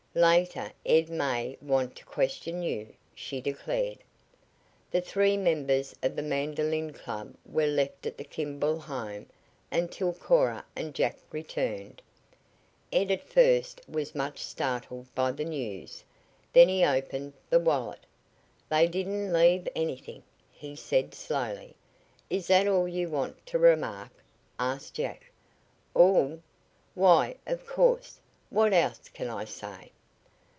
"Later Ed may want to question you," she declared. The three members of the mandolin club were left at the Kimball home until Cora and Jack returned. Ed at first was much startled by the news. Then he opened the wallet. "They didn't leave anything," he said slowly. "Is that all you want to remark?" asked Jack. "All? Why, of course. What else can I say?"